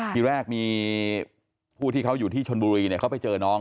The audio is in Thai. ทีแรกมีผู้ที่เขาอยู่ที่ชนบุรีเขาไปเจอน้อง